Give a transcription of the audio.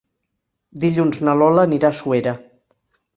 Dilluns na Lola anirà a Suera.